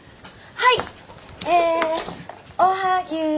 はい。